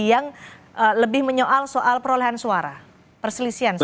yang lebih menyoal soal perolehan suara perselisihan suara